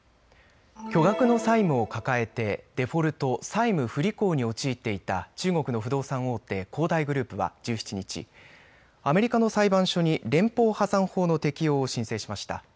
巨額の債務を抱えてデフォルト・債務不履行に陥っていた中国の不動産大手、恒大グループは１７日、アメリカの裁判所に連邦破産法の適用を申請しました。